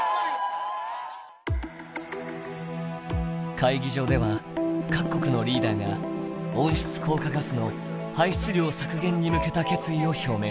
会議場では各国のリーダーが温室効果ガスの排出量削減に向けた決意を表明しました。